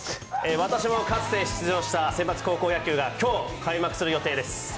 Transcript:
私もかつて出場したセンバツ高校野球がきょう、開幕する予定です。